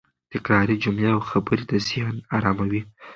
تکراري جملې او خبرې د ذهن اراموي.